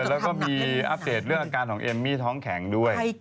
แล้วก็มีอัปเดตเรื่องอาการของเอมมี่ท้องแข็งด้วย